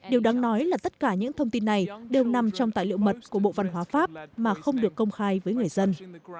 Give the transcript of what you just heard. điều đáng nói là tất cả những thông tin này đều nằm trong tài liệu mật của bộ văn hóa pháp mà không được công khai với người dân